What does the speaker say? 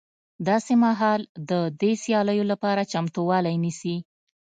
داسې مهال د دې سیالیو لپاره چمتوالی نیسي